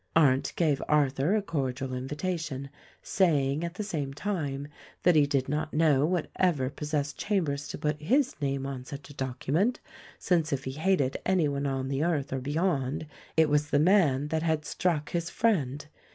Arndt gave Arthur a cordial invitation, saying, at the same time, that he did not know what ever possessed Cham bers to put his name on such a document, since if he hated anyone on the earth or beyond, it was the man that had struck his friend.